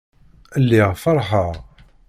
Lliɣ feṛḥeɣ.